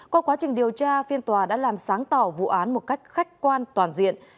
qua quá trình điều tra phiên tòa đã làm sáng tỏ vụ án một cách khách quan toàn diện